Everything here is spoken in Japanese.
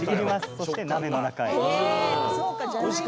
そして、鍋の中へ。